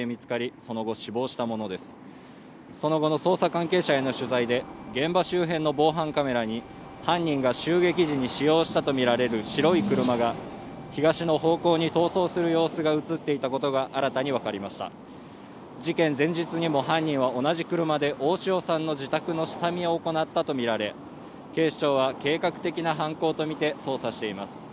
その後の捜査関係者への取材で現場周辺の防犯カメラに犯人が襲撃時に使用したと見られる白い車が東の方向に逃走する様子が映っていたことが新たに分かりました事件前日にも犯人は同じ車で大塩さんの自宅の下見を行ったと見られ警視庁は計画的な犯行とみて捜査しています